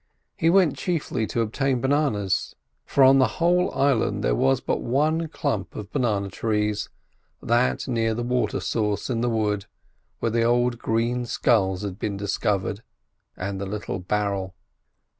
He went chiefly to obtain bananas; for on the whole island there was but one clump of banana trees—that near the water source in the wood, where the old green skulls had been discovered, and the little barrel.